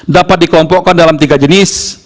dapat dikelompokkan dalam tiga jenis